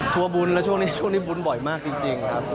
บุญแล้วช่วงนี้ช่วงนี้บุญบ่อยมากจริงครับ